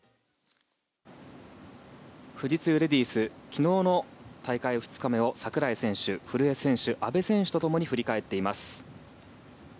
富士通レディース昨日の大会２日目を櫻井選手、古江選手阿部選手とともに振り返っています。